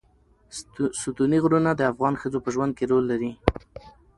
ستوني غرونه د افغان ښځو په ژوند کې رول لري.